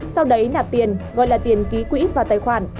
sau đấy nạp tiền gọi là tiền ký quỹ vào tài khoản